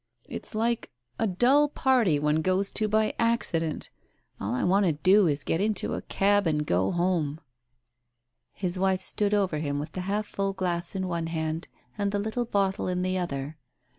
"It's like a dull party one goes to by accident. All I want to do is to get into a cab and go home." His wife stood over him with the half full glass in one hand and the little bottle in the other.